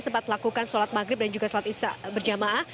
sempat melakukan sholat maghrib dan juga sholat isya berjamaah